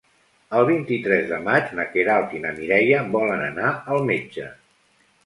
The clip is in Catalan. El vint-i-tres de maig na Queralt i na Mireia volen anar al metge.